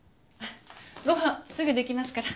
ご飯すぐ出来ますから。